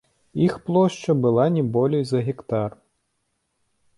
Іх плошча была не болей за гектар.